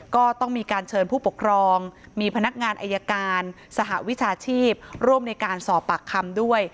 ก็ต้องมีการเชิญผู้ปกครองมีพนักงานอายการสหวิชาชีพร่วมในการสอบปากคำด้วย